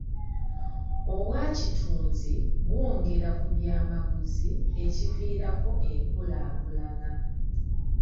Obwakitunzi bwongera ku byamaguzi ekiviirako enkulaakulana.